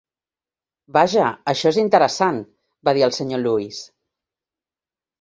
"Vaja, això és interessant," va dir el Sr. Lewis.